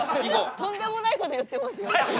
とんでもないこと言ってますよ。